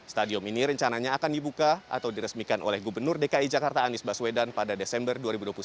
stadium ini rencananya akan dibuka atau diresmikan oleh gubernur dki jakarta anies baswedan pada desember dua ribu dua puluh satu